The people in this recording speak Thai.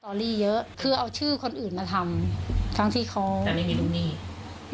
อรี่เยอะคือเอาชื่อคนอื่นมาทำทั้งที่เขาไม่มีลูกหนี้